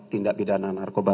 tindak bidana narkoba